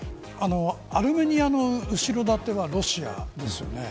アルメニアの後ろ盾はロシアですよね。